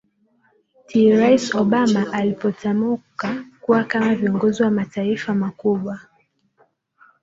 ti rais obama alipotamuka kuwa kama viongozi wa mataifa makubwa